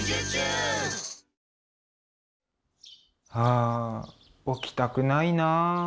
あ起きたくないなあ。